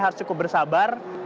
harus cukup bersabar